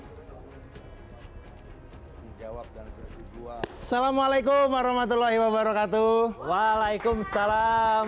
menjawab dan bersih dua assalamualaikum warahmatullahi wabarakatuh waalaikumsalam